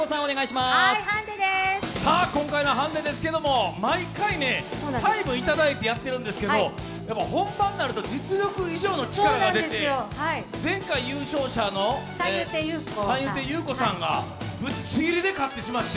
今回のハンデですけれども、毎回タイムいただいてやっているんですけれども本番になると実力以上の力が出て前回優勝者の三遊亭遊子さんがぶっちぎりで勝ってしまって。